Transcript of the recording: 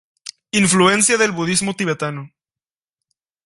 Influencia del budismo tibetano.